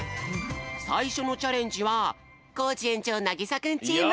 さいしょのチャレンジはコージ園長なぎさくんチーム！